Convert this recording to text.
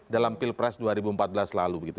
dalam pilpres dua ribu empat belas lalu begitu